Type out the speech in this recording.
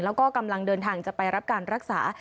แล้วก็กำลังเดินทางจะไปรับการรักษา